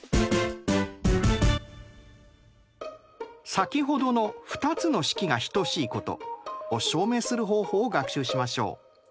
先ほどの２つの式が等しいことを証明する方法を学習しましょう。